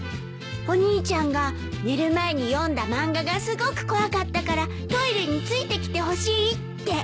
お兄ちゃんが寝る前に読んだ漫画がすごく怖かったからトイレについてきてほしいって。